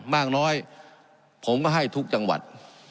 การปรับปรุงทางพื้นฐานสนามบิน